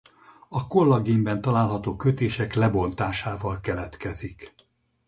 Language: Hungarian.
A kollagénben található kötések lebontásával keletkezik.